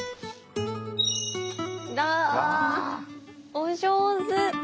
お上手！